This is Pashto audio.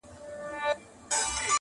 ته پاچا هغه فقیر دی بې نښانه-